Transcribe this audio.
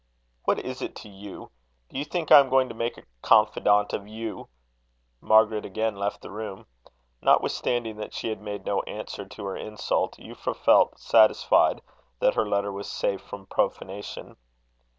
"What is it to you? Do you think I am going to make a confidante of you?" Margaret again left the room. Notwithstanding that she had made no answer to her insult, Euphra felt satisfied that her letter was safe from profanation.